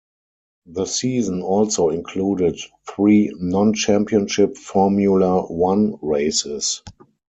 The season also included three non-championship Formula One races.